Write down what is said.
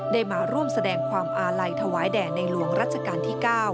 มาร่วมแสดงความอาลัยถวายแด่ในหลวงรัชกาลที่๙